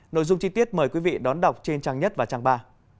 nội dung chi tiết mời quý vị đón đọc trên trang nhất và trang ba